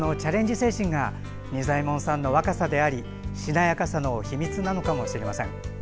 精神が仁左衛門さんの若さでありしなやかさの秘密なのかもしれません。